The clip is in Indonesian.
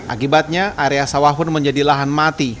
akibatnya area sawah pun menjadi lahan mati